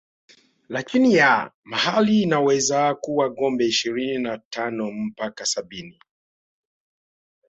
Lakinia mahali inaweza kuwa ngombe ishirini na tano mpaka sabini